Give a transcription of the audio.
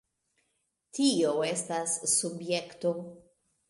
Tio estas... subjekto.